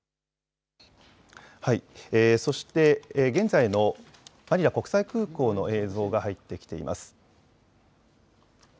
そして現在のマニラ国際空港の映像が入ってきています。